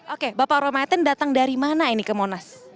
oke bapak rometin datang dari mana ini ke monas